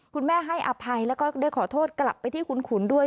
ให้อภัยแล้วก็ได้ขอโทษกลับไปที่คุณขุนด้วย